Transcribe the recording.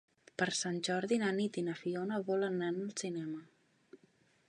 Per Sant Jordi na Nit i na Fiona volen anar al cinema.